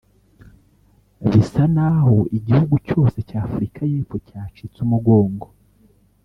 Bisa n’aho igihugu cyose cya Africa y’Epfo cyacitse umugongo